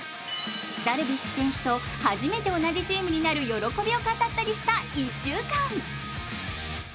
ダルビッシュ選手と初めて同じチームになる喜びを語ったりした１週間。